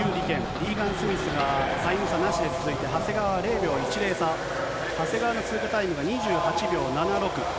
リーガン・スミスがタイム差なしで続いて、長谷川のタイムが、長谷川の通過タイムが２８秒７６。